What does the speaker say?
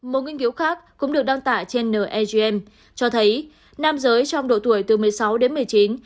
một nghiên cứu khác cũng được đăng tải trên negm cho thấy nam giới trong độ tuổi từ một mươi sáu đến một mươi chín